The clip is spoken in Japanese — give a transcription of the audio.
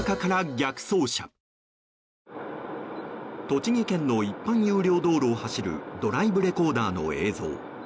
栃木県の一般有料道路を走るドライブレコーダーの映像。